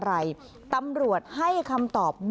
อันดับที่สุดท้าย